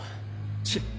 ちっ。